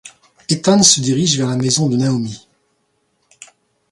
Ethan se dirige vers la maison de Naomi.